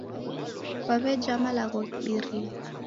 Kwaweja malagho ghibirie